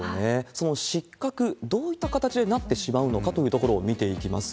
その失格、どういった形でなってしまうのかというところを見ていきます。